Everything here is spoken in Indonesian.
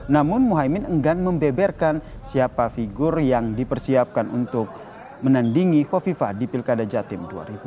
namun mohaimin enggan membeberkan siapa figur yang dipersiapkan untuk menandingi kofifa di pilkada jatim dua ribu delapan belas